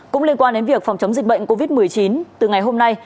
cũng liên quan đến việc phòng chống dịch bệnh covid một mươi chín từ ngày hôm nay